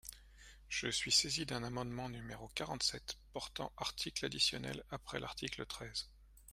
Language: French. Je suis saisi d’un amendement, numéro quarante-sept, portant article additionnel après l’article treize.